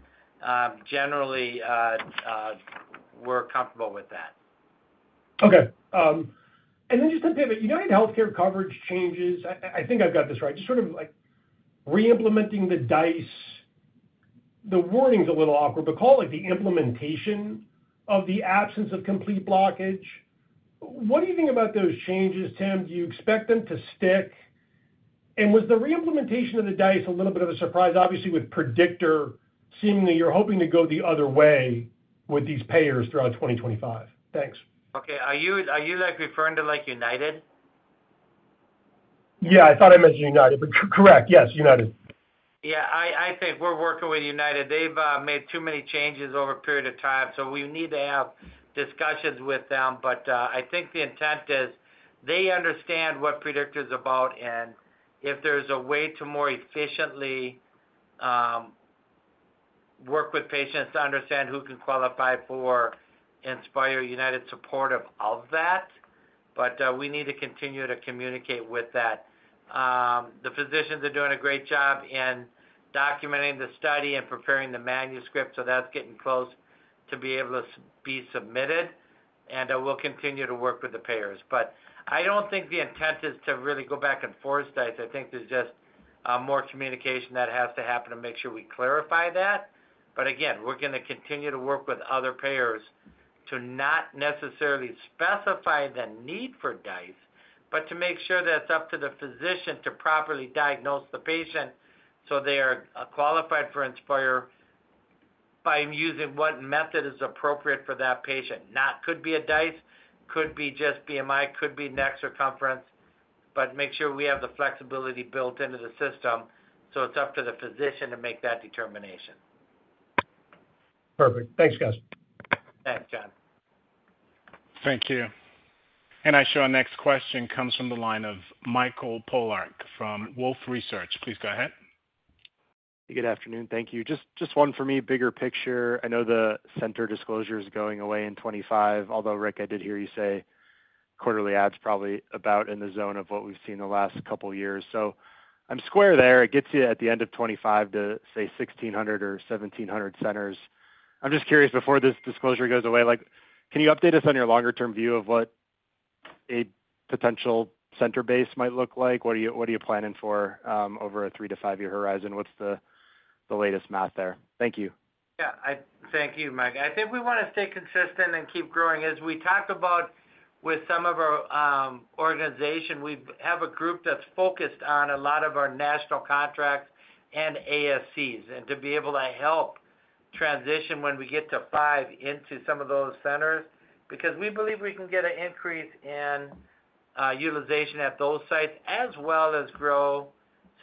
generally, we're comfortable with that. Okay, and then just a pivot. You know how healthcare coverage changes? I think I've got this right. Just sort of reimplementing the DICE. The wording's a little awkward, but call it the implementation of the absence of complete blockage. What do you think about those changes, Tim? Do you expect them to stick, and was the reimplementation of the DICE a little bit of a surprise? Obviously, with Predictor, seemingly you're hoping to go the other way with these payers throughout 2025. Thanks. Okay. Are you referring to United? Yeah. I thought I mentioned United, but correct. Yes, United. Yeah. I think we're working with United. They've made too many changes over a period of time. So we need to have discussions with them. But I think the intent is they understand what Predictor's about. And if there's a way to more efficiently work with patients to understand who can qualify for Inspire. United support of that. But we need to continue to communicate with that. The physicians are doing a great job in documenting the study and preparing the manuscript. So that's getting close to be able to be submitted. And we'll continue to work with the payers. But I don't think the intent is to really go back and forth. I think there's just more communication that has to happen to make sure we clarify that. But again, we're going to continue to work with other payers to not necessarily specify the need for DICE, but to make sure that it's up to the physician to properly diagnose the patient so they are qualified for Inspire by using what method is appropriate for that patient. Could be a DICE, could be just BMI, could be neck circumference, but make sure we have the flexibility built into the system. So it's up to the physician to make that determination. Perfect. Thanks, guys. Thanks, Jon. Thank you. And I share our next question. Comes from the line of Michael Polark from Wolfe Research. Please go ahead. Good afternoon. Thank you. Just one for me, bigger picture. I know the center disclosure is going away in 2025, although Rick, I did hear you say quarterly ads probably about in the zone of what we've seen the last couple of years. So I'm square there. It gets you at the end of 2025 to say 1,600 or 1,700 centers. I'm just curious before this disclosure goes away, can you update us on your longer-term view of what a potential center base might look like? What are you planning for over a three- to five-year horizon? What's the latest math there? Thank you. Yeah. Thank you, Mike. I think we want to stay consistent and keep growing. As we talked about with some of our organization, we have a group that's focused on a lot of our national contracts and ASCs. To be able to help transition when we get to 5 into some of those centers because we believe we can get an increase in utilization at those sites as well as grow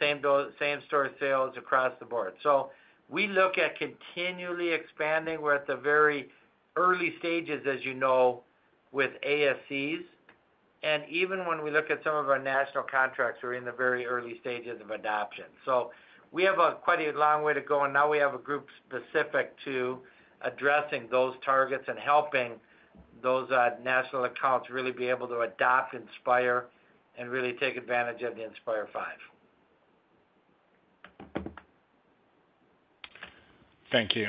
same-store sales across the board. So we look at continually expanding. We're at the very early stages, as you know, with ASCs. And even when we look at some of our national contracts, we're in the very early stages of adoption. So we have quite a long way to go. And now we have a group specific to addressing those targets and helping those national accounts really be able to adopt Inspire and really take advantage of the Inspire 5. Thank you.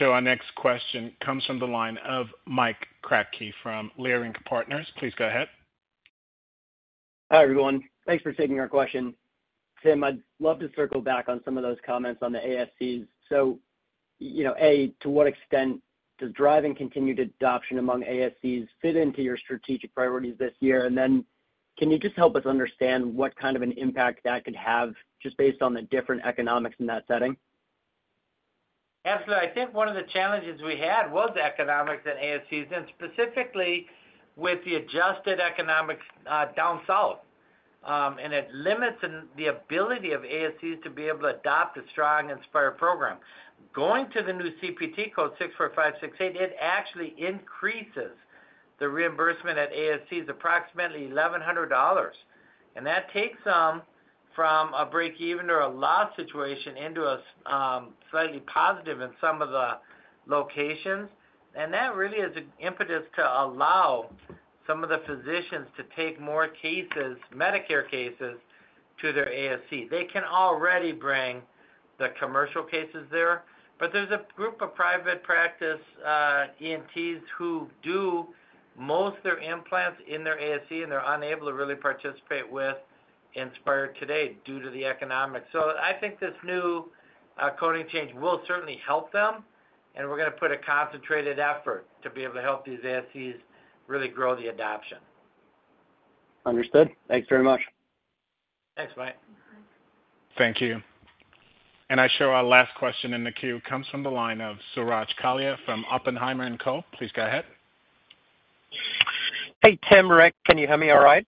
Our next question comes from the line of Mike Kratky from Leerink Partners. Please go ahead. Hi, everyone. Thanks for taking our question. Tim, I'd love to circle back on some of those comments on the ASCs. So, A, to what extent does driving continued adoption among ASCs fit into your strategic priorities this year? And then can you just help us understand what kind of an impact that could have just based on the different economics in that setting? Absolutely. I think one of the challenges we had was the economics and ASCs and specifically with the adjusted economics down south, and it limits the ability of ASCs to be able to adopt a strong Inspire program. Going to the new CPT code 64568, it actually increases the reimbursement at ASCs approximately $1,100, and that takes them from a break-even or a loss situation into a slightly positive in some of the locations. And that really is an impetus to allow some of the physicians to take more cases, Medicare cases, to their ASC. They can already bring the commercial cases there. But there's a group of private practice ENTs who do most of their implants in their ASC, and they're unable to really participate with Inspire today due to the economics. So I think this new coding change will certainly help them. And we're going to put a concentrated effort to be able to help these ASCs really grow the adoption. Understood. Thanks very much. Thanks, Mike. Thank you. And we have our last question in the queue. It comes from the line of Suraj Kalia from Oppenheimer & Co. Please go ahead. Hey, Tim, Rick, can you hear me all right?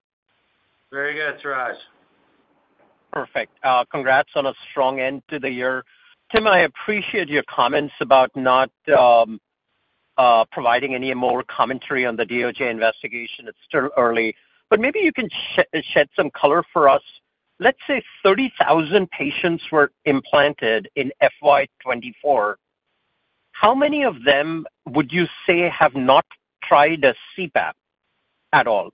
Very good, Suraj. Perfect. Congrats on a strong end to the year. Tim, I appreciate your comments about not providing any more commentary on the DOJ investigation. It's still early, but maybe you can shed some color for us. Let's say 30,000 patients were implanted in FY24. How many of them would you say have not tried a CPAP at all?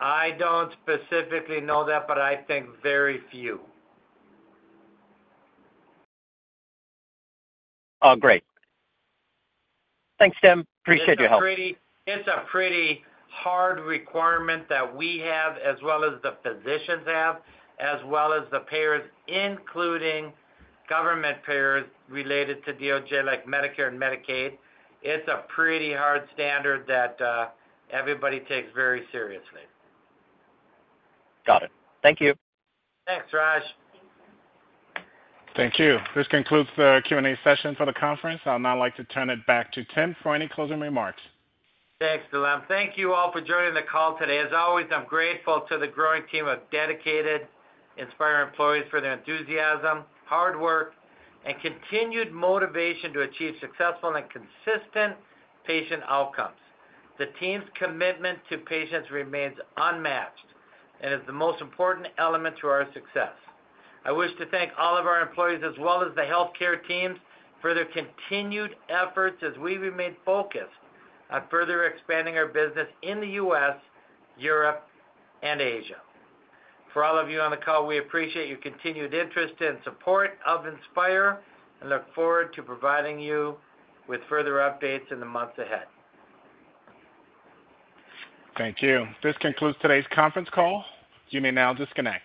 I don't specifically know that, but I think very few. Oh, great. Thanks, Tim. Appreciate your help. It's a pretty hard requirement that we have, as well as the physicians have, as well as the payers, including government payers related to DOJ like Medicare and Medicaid. It's a pretty hard standard that everybody takes very seriously. Got it. Thank you. Thanks, Suraj. Thank you. This concludes the Q&A session for the conference. I'd now like to turn it back to Tim for any closing remarks. Thanks, Dilem. Thank you all for joining the call today. As always, I'm grateful to the growing team of dedicated Inspire employees for their enthusiasm, hard work, and continued motivation to achieve successful and consistent patient outcomes. The team's commitment to patients remains unmatched and is the most important element to our success. I wish to thank all of our employees as well as the healthcare teams for their continued efforts as we remain focused on further expanding our business in the U.S., Europe, and Asia. For all of you on the call, we appreciate your continued interest and support of Inspire and look forward to providing you with further updates in the months ahead. Thank you. This concludes today's conference call. You may now disconnect.